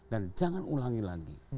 dan jangan ulangi lagi